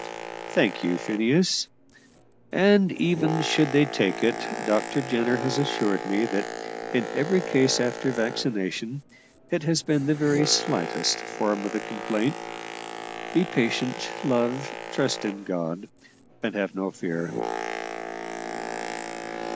"Thank you, Phineas; and even should they take it, Dr. Jenner has assured me that in every case after vaccination it has been the very slightest form of the complaint. Be patient, love; trust in God, and have no fear."